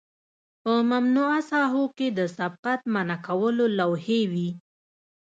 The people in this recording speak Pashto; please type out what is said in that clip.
په ممنوعه ساحو کې د سبقت منع کولو لوحې وي